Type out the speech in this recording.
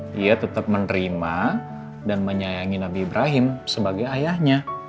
dia tetap menerima dan menyayangi nabi ibrahim sebagai ayahnya